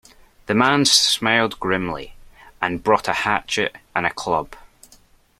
The man smiled grimly, and brought a hatchet and a club.